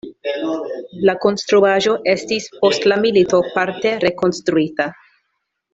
La konstruaĵo estis post la milito parte rekonstruita.